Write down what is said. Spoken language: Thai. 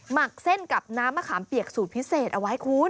หมักเส้นกับน้ำมะขามเปียกสูตรพิเศษเอาไว้คุณ